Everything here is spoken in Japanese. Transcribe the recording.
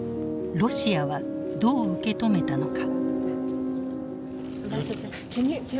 ロシアはどう受け止めたのか。